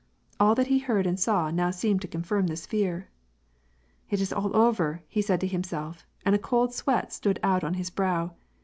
All that he heard and saw seemed to confirm his fear. " It is all over," he said to himself, and a cold sweat stood out on his brow.